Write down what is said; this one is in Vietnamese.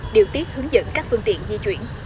điều tiết hướng dẫn các phương tiện di chuyển